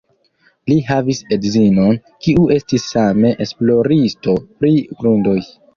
Li havis edzinon, kiu estis same esploristo pri grundoj.